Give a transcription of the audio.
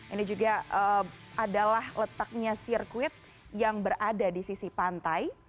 ini juga adalah letaknya sirkuit yang berada di sisi pantai